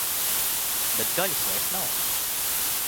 Bet gaļas vairs nav.